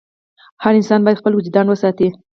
هر انسان باید خپل وجدان وساتي.